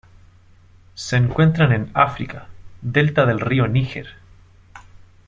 Se encuentran en África: delta del río Níger.